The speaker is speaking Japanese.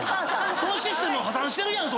そのシステム破綻してるやん！